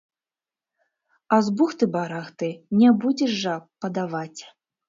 А з бухты-барахты не будзеш жа падаваць!